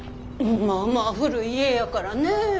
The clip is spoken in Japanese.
まあまあ古い家やからねえ。